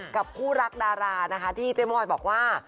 กับคู่รักดารานะคะที่เจ๊มอยบอกว่า